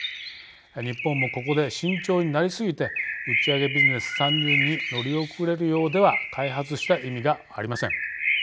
日本もここで慎重になりすぎて打ち上げビジネス参入に乗り遅れるようでは開発した意味がありません。